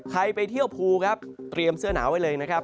ไปเที่ยวภูครับเตรียมเสื้อหนาวไว้เลยนะครับ